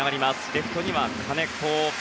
レフトには金子。